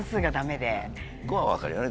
５は分かるよね